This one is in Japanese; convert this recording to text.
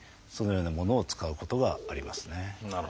そのようなものを使うことがありますね。